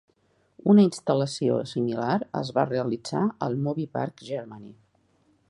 Una instal·lació similar es va realitzar al Movie Park Germany.